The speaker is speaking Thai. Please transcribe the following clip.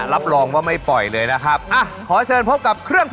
รับรองว่าไม่ปล่อยเลยนะครับ